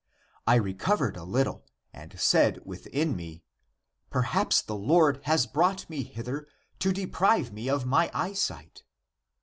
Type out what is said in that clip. I recovered a little and said within me. Perhaps the Lord has brought me hither to deprive me of my eyesight.